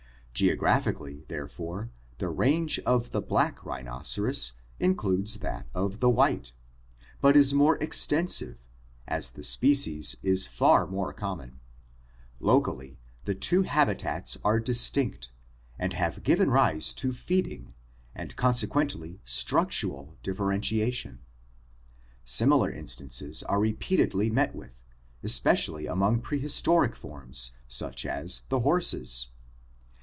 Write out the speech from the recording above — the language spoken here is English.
Geographically there fore the range of the black rhinoceros includes that of the white, but is more extensive, as the species is far more common; locally the two habitats are distinct and have given rise to feeding and consequently structural differentiation. Similar instances are re peatedly met with, especially among prehistoric forms such as the horses.